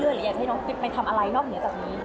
หรืออยากให้น้องไปทำอะไรนอกเหนือจากนี้